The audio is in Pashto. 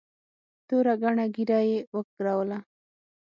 توره گڼه ږيره يې وګروله.